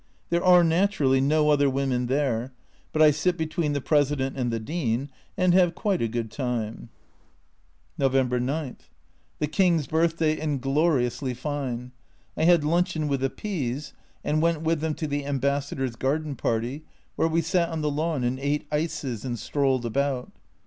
There are, naturally, no other women there, but I sit between the President and the Dean, and have quite a good time. (c 128) F 66 A Journal from Japan November 9. The King's Birthday and gloriously fine ! I had luncheon with the P s, and went with them to the Ambassador's garden party, where we sat on the lawn and ate ices and strolled about.